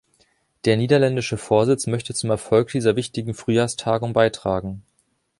Der niederländische Vorsitz möchte zum Erfolg dieser wichtigen Frühjahrstagung beitragen.